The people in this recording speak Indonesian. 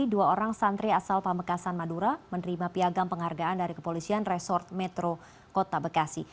dua orang santri asal pamekasan madura menerima piagam penghargaan dari kepolisian resort metro kota bekasi